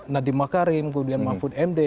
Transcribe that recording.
nadiem makarim kemudian mahfud md